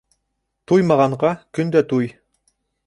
Туймағанға көндә туй.